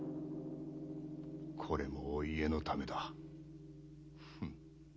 これもお家のためだ。